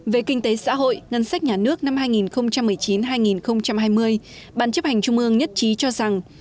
về kinh tế xã hội ngân sách nhà nước năm hai nghìn một mươi chín hai nghìn hai mươi bàn chấp hành trung ương nhất trí cho rằng